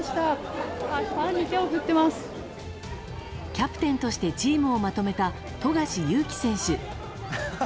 キャプテンとしてチームをまとめた富樫勇樹選手。